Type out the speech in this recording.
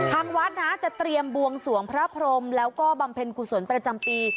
ทางวัดนะจะเตรียมบวงสวงพระพรมแล้วก็บำเพ็ญกุศลประจำปี